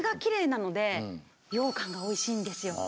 ようかんがおいしいんですよ。